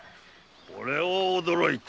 これは驚いた。